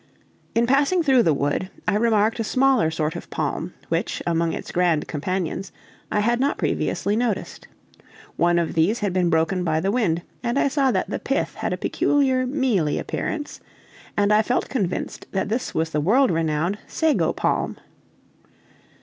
In passing through the wood, I remarked a smaller sort of palm, which, among its grand companions, I had not previously noticed. One of these had been broken by the wind, and I saw that the pith had a peculiar mealy appearance, and I felt convinced that this was the world renowned sago palm.